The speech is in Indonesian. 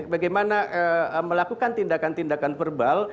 bagaimana melakukan tindakan tindakan verbal